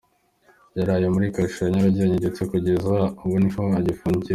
Yaraye muri kasho ya Nyarugenge ndetse kugeza ubu niho agifungiwe.